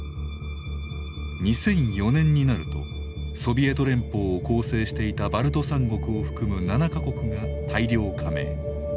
２００４年になるとソビエト連邦を構成していたバルト３国を含む７か国が大量加盟。